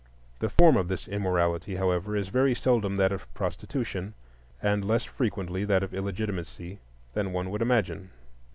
The form of this immorality, however, is very seldom that of prostitution, and less frequently that of illegitimacy than one would imagine.